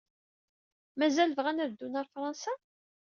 Mazal bɣan ad ddun ɣer Fṛansa?